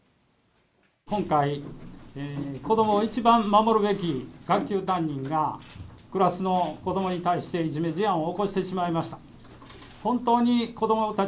今回、子どもを一番守るべき学級担任が、クラスの子どもに対して、いじめ事案を起こしてしまいました。